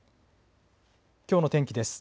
きょうの天気です。